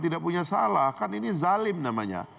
tidak punya salah kan ini zalim namanya